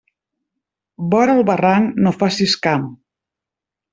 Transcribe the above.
Vora el barranc no facis camp.